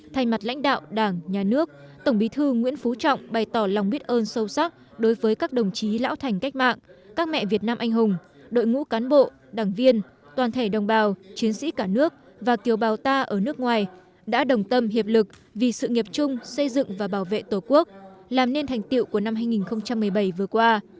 thay mặt lãnh đạo đảng nhà nước tổng bí thư nguyễn phú trọng bày tỏ lòng biết ơn sâu sắc đối với các đồng chí lão thành cách mạng các mẹ việt nam anh hùng đội ngũ cán bộ đảng viên toàn thể đồng bào chiến sĩ cả nước và tiều bào ta ở nước ngoài đã đồng tâm hiệp lực vì sự nghiệp chung xây dựng và bảo vệ tổ quốc làm nên thành tiệu của năm hai nghìn một mươi bảy vừa qua